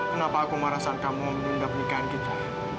kenapa aku marah sama kamu menunda pernikahan kita